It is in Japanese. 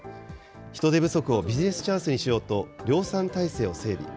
人手不足をビジネスチャンスにしようと、量産体制を整備。